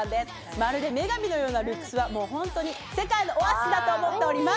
まるで女神のようなルックスはまさに世界のオアシスだと思っております。